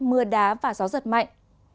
mưa đá và gió giật mạnh